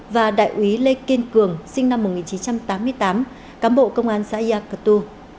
và đại úy lê kiên cường sinh năm một nghìn chín trăm tám mươi tám cán bộ công an xã yà cờ tu